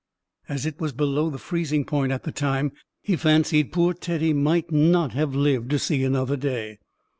As it was below the freezing point at the time, he fancied poor Teddy might not have lived to see another day.